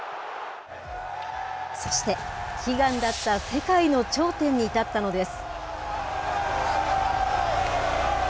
そして、悲願だった世界の頂点に立ったのです。